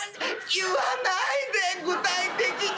言わないで具体的に。